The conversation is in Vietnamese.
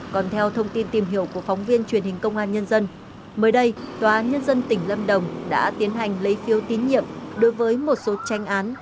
còn theo thông tin tìm hiểu của phóng viên truyền hình công an nhân dân mới đây tòa nhân dân tỉnh lâm đồng đã tiến hành lấy phiếu tín nhiệm đối với một số tranh án